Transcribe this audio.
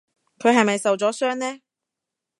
佢係咪受咗傷呢？